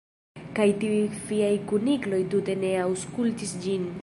Kaj tiuj fiaj kunikloj tute ne aŭskultis ĝin!